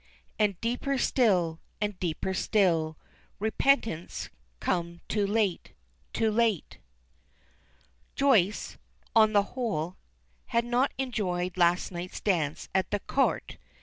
And deeper still, and deeper still Repentance come too late, too late!" Joyce, on the whole, had not enjoyed last night's dance at the Court.